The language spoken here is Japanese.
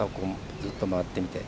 ずっと回ってみて。